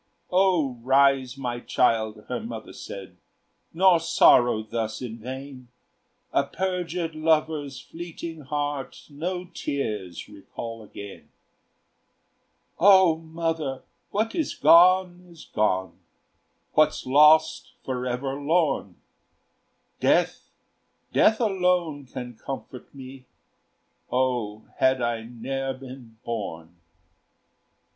"O rise, my child," her mother said, "Nor sorrow thus in vain: A perjured lover's fleeting heart No tears recall again." "O mother, what is gone, is gone, What's lost forever lorn; Death, death alone can comfort me; O had I ne'er been born!